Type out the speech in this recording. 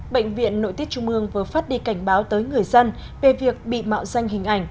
bệnh viện nội tiết trung ương vừa phát đi cảnh báo tới người dân về việc bị mạo danh hình ảnh